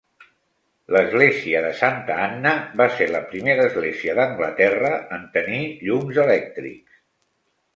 L'església de Santa Anna va ser la primera església d'Anglaterra en tenir llums elèctrics.